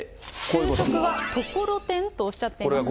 就職はところてんとおっしゃっています。